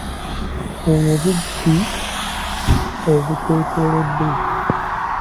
Obubbi obutwetoolodde.